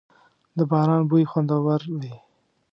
• د باران بوی خوندور وي.